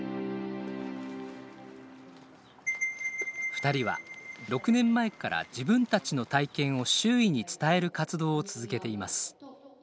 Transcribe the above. ２人は６年前から自分たちの体験を周囲に伝える活動を続けています。